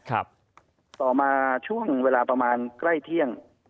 ต่อมาช่วงเวลาประมาณใกล้เที่ยง